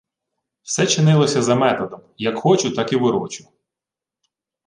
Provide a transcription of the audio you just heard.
Все чинилося за методом – «як хочу, так і ворочу»